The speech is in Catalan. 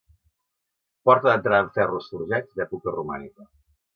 Porta d'entrada amb ferros forjats, d'època romànica.